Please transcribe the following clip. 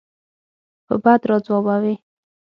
په بد راځوابوي.